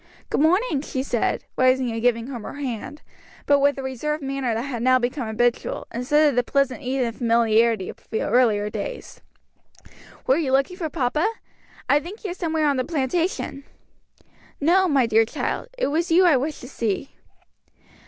"Good morning," she said, rising and giving him her hand; but with the reserved manner that had now become habitual, instead of the pleasant ease and familiarity of earlier days; "were you looking for papa? I think he is somewhere on the plantation." "No, my dear child, it was you I wished to see."